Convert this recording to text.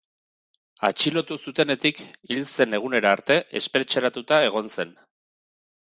Atxilotu zutenetik hil zen egunera arte espetxeratua egon zen.